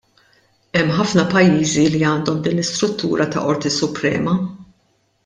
Hemm ħafna pajjiżi li għandhom din l-istruttura ta' qorti suprema.